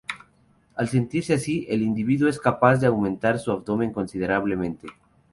Al sentirse así, el individuo es capaz de aumentar su abdomen considerablemente.